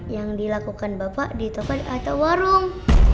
yang dilakukan bapak di toko atau warung